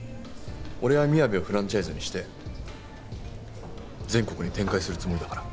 俺はみやべをフランチャイズにして全国に展開するつもりだから。